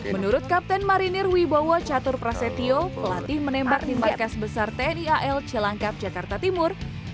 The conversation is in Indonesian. menurut kapten marinir wibowo catur prasetyo pelatih menembak di markas besar tni al cilangkap jakarta timur